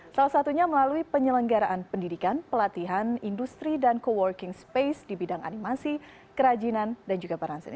salah satunya melalui penyelenggaraan pendidikan pelatihan industri dan co working space di bidang animasi kerajinan dan juga berhasil